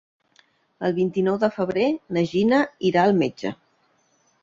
El vint-i-nou de febrer na Gina irà al metge.